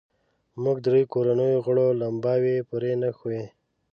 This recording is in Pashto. موږ درې کورنیو غړو لمباوې پرې نښوې.